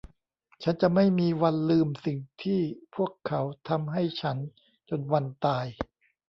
ฉันจะไม่มีวันลืมสิ่งที่พวกเขาทำให้ฉันจนวันตาย